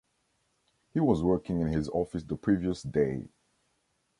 He was working in his office the previous day.